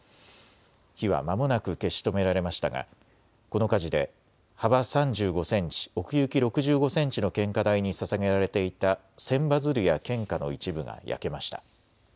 火はまもなく消し止められましたがこの火事で幅３５センチ、奥行き６５センチの献花台にささげられていた千羽鶴や献花の一部が焼けました。